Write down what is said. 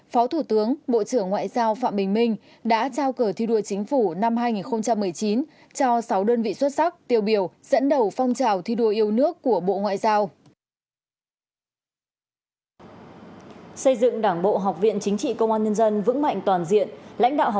phó thủ tướng bộ trưởng ngoại giao phạm bình minh đã trao cờ thi đua chính phủ năm hai nghìn một mươi chín cho sáu đơn vị xuất sắc tiêu biểu dẫn đầu phong trào thi đua yêu nước của bộ ngoại giao